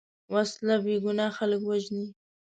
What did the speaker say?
وسله بېګناه خلک وژني